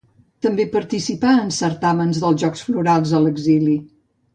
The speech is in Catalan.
També participà en certàmens dels Jocs Florals a l'exili.